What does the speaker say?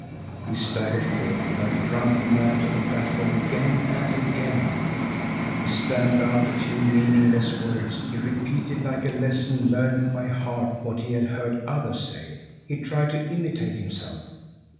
He staggered forward like a drunken man to the platform again and again. He stammered out a few meaningless words. He repeated like a lesson learned by heart what he had heard others say. He tried to imitate himself.